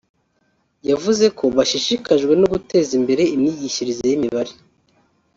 yavuze ko bashishikajwe no guteza imbere imyigishirize y’imibare